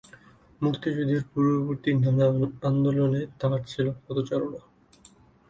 মুক্তিযুদ্ধের পূর্ববর্তী নানা আন্দোলনে তাঁর ছিল পদচারণা।